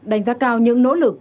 đánh giá cao những nỗ lực